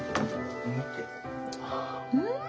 うん！